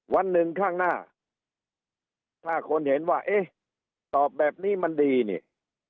วันหนึ่งข้างหน้าถ้าคนเห็นว่าเอ๊ะตอบแบบนี้มันดีเนี่ย